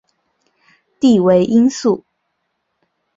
弟为应傃。